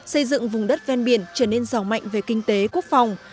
xây dựng vùng đất ven biển trở nên giàu mạnh về kinh tế quốc phòng